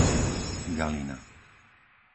Galina